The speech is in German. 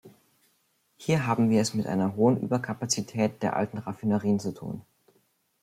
Hier haben wir es mit einer hohen Überkapazität der alten Raffinerien zu tun.